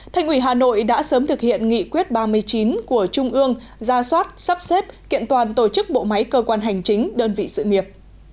thành ủy hà nội đã sớm thực hiện nghị quyết ba mươi chín của trung ương ra soát sắp xếp kiện toàn tổ chức bộ máy cơ quan hành chính đơn vị sự nghiệp